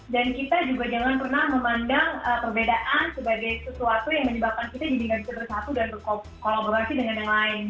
dan kita juga jangan pernah memandang perbedaan sebagai sesuatu yang menyebabkan kita jadi gak bisa bersatu dan berkolaborasi dengan yang lain